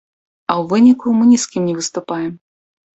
А ў выніку мы ні з кім не выступаем.